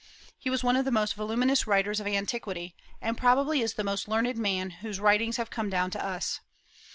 He was one of the most voluminous writers of antiquity, and probably is the most learned man whose writings have come down to us.